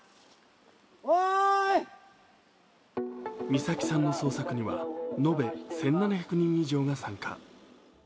美咲さんの捜索には延べ１７００人以上が参加。